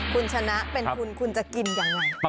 คุณชนะเป็นคุณคุณจะกินด้วยครับ